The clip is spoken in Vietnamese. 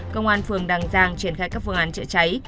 công an phường đăng giang triển khai các phương án trợ cháy